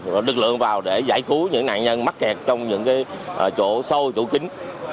lực lượng vào để giải cứu những nạn nhân mắc kẹt trong những chỗ sâu chỗ chính